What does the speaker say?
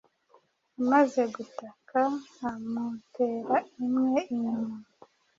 amaze gutakaamutera imwe inyuma